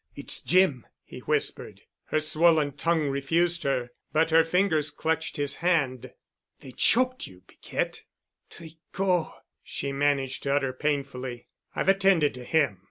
It's Jim," he whispered. Her swollen tongue refused her, but her fingers clutched his hand. "They choked you, Piquette." "Tri—cot," she managed to utter painfully. "I've attended to him.